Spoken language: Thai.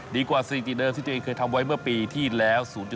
ดีกว่าสถิติเดิมที่เจ้าเองเคยทำไว้เมื่อปีที่แล้ว